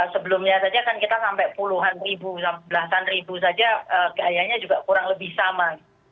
sebelumnya saja kan kita sampai puluhan ribu belasan ribu saja gayanya juga kurang lebih sama